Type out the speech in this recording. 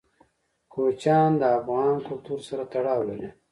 کوچیان د افغان کلتور سره تړاو لري.